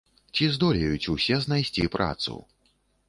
Ці здолеюць усе знайсці працу?